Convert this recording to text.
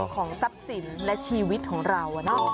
ของทรัพย์สินและชีวิตของเราอ่ะเนาะ